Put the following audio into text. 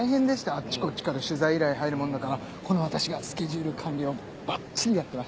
あっちこっちから取材依頼入るもんだからこの私がスケジュール管理をバッチリやってましてね。